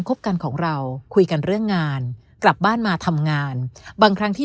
บกันของเราคุยกันเรื่องงานกลับบ้านมาทำงานบางครั้งที่